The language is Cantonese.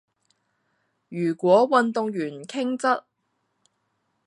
如果運動員傾側